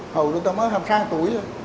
hầu chúng ta mới hai mươi ba mươi tuổi rồi